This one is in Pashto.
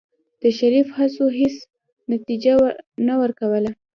د شريف هڅو هېڅ نتيجه نه ورکوله.